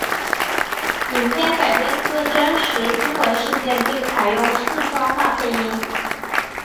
影片改编自真实新闻事件并采用四川话配音。